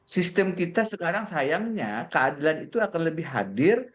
sistem kita sekarang sayangnya keadilan itu akan lebih hadir